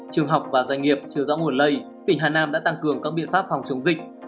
trường học và doanh nghiệp chưa rõ nguồn lây tỉnh hà nam đã tăng cường các biện pháp phòng chống dịch